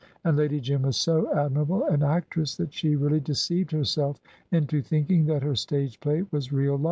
And Lady Jim was so admirable an actress that she really deceived herself into thinking that her stage play was real life.